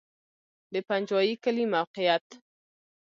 د پنجوایي کلی موقعیت